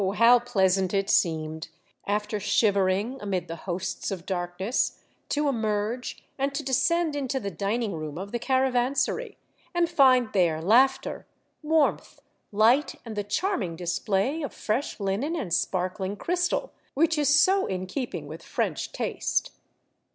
how pleasant it seemed, after shivering The Caravansary, 141 amid the hosts of darkness, to emerge, and to descend into the dining room of the caravansary, and find there laughter, warmth, Hght, and the charming display of fresh linen and sparkling crystal which is so in keeping with French taste.